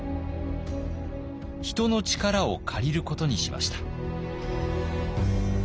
人の力を借りることにしました。